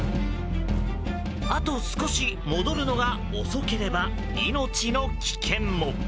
あと少し戻るのが遅ければ命の危険も。